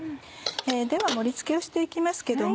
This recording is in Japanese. では盛り付けをして行きますけども。